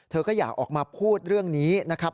เธอก็อยากออกมาพูดเรื่องนี้นะครับ